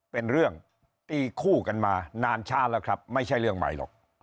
เป็นเรื่องตีคู่กันมานานช้าแล้วครับไม่ใช่เรื่องใหม่หรอก